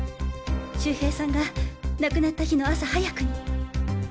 周平さんが亡くなった日の朝早くに。